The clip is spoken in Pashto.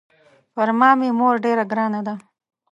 پر ما مې مور ډېره ګرانه ده.